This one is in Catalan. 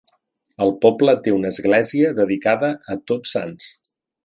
El poble té una església dedicada a Tots Sants.